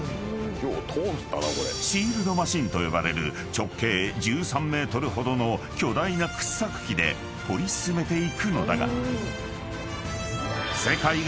［シールドマシンと呼ばれる直径１３ｍほどの巨大な掘削機で掘り進めていくのだが］